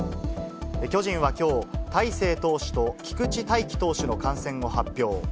巨人はきょう、大勢投手と菊地大稀投手の感染を発表。